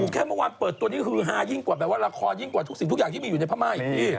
แค่เมื่อวานเปิดตัวนี้คือฮายิ่งกว่าแบบว่าละครยิ่งกว่าทุกสิ่งทุกอย่างที่มีอยู่ในพม่าอีกพี่